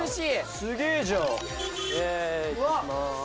すげえじゃーん！